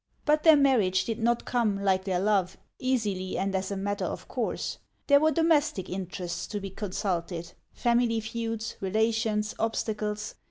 But their marriage did not come, like their love, easily and as a matter of course. There were domestic interests to be consulted, — family feuds, relations, obstacles.